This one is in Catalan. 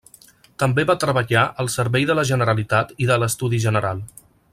També va treballar al servei de la Generalitat i de l’Estudi general.